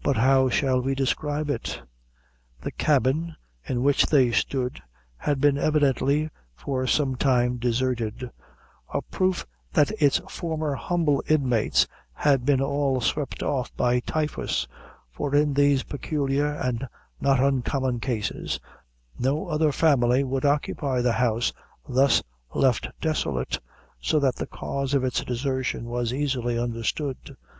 But how shall we describe it? The cabin in which they stood had been evidently for some time deserted, a proof that its former humble inmates had been all swept off by typhus; for in these peculiar and not uncommon cases, no other family would occupy the house thus left desolate, so that the cause of its desertion was easily understood.